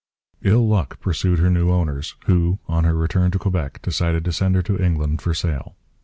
Ill luck pursued her new owners, who, on her return to Quebec, decided to send her to England for sale.